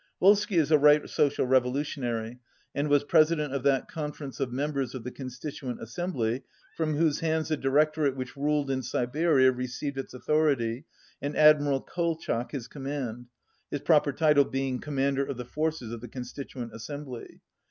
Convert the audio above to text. Volsky is a Right Social Revolutionary, and was President of that Conference of Members of the Constituent Assembly from whose hands the Di rectorate which ruled in Siberia received its au thority and Admiral Kolchak his command, his proper title being Commander of the Forces of the Constituent Assembly.